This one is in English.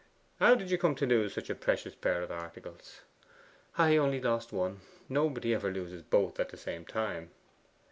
'How did you come to lose such a precious pair of articles?' 'I only lost one nobody ever loses both at the same time.